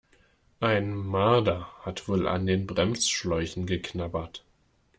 Ein Marder hat wohl an den Bremsschläuchen geknabbert.